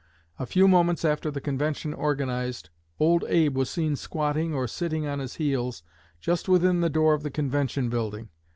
A few moments after the convention organized, 'Old Abe' was seen squatting, or sitting on his heels, just within the door of the convention building.